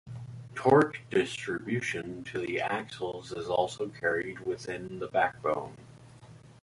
Torque distribution to the axles is also carried within the backbone.